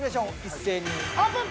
一斉にオープン！